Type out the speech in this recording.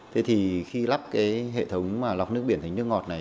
thế thì khi lắp cái hệ thống mà lọc nước biển thành nước ngọt này